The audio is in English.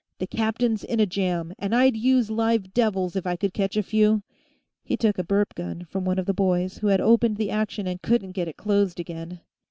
The captain's in a jam, and I'd use live devils, if I could catch a few." He took a burp gun from one of the boys, who had opened the action and couldn't get it closed again.